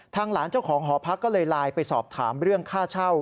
หลานเจ้าของหอพักก็เลยไลน์ไปสอบถามเรื่องค่าเช่า